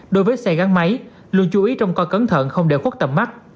đối với xe gắn máy luôn chú ý trong co cẩn thận không để khuất tầm mắt